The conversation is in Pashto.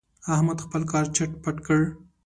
احمد خپل کار چټ پټ کړ.